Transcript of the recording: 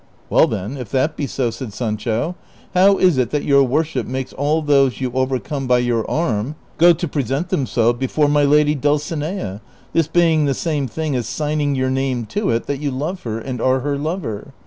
" Well then, if that be so," said Sancho, " how is it that your worship makes aJl those you overcome by your arm go to ])re sent themselves before my lady Dulcinea, this being the same thing as signing your name to it that you love her and are her lover